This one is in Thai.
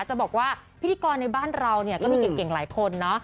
จะบอกว่าพิธีกรในบ้านเราเนี่ยก็มีเก่งหลายคนเนาะ